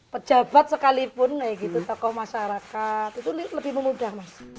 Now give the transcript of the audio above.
pejabat sekalipun tokoh masyarakat itu lebih memudah